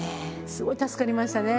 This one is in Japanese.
すごい助かりましたね